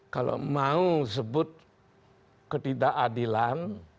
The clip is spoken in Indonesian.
kalau mau sebut ketidakadilan